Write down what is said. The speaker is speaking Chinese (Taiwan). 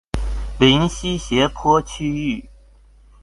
臨溪斜坡區域